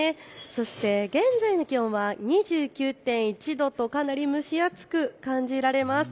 そして現在の気温は２９．１度とかなり蒸し暑く感じられます。